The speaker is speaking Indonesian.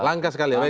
langka sekali ya